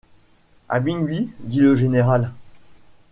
À minuit! dit le général.